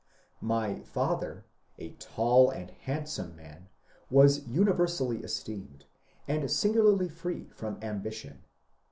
My father, a tall and handsome man, was universaUy esteemed, and singularly free from ambition.